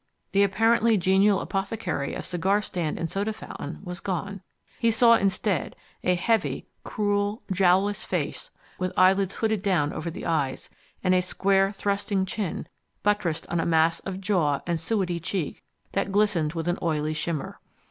The apparently genial apothecary of cigar stand and soda fountain was gone. He saw instead a heavy, cruel, jowlish face, with eyelids hooded down over the eyes, and a square thrusting chin buttressed on a mass of jaw and suetty cheek that glistened with an oily shimmer.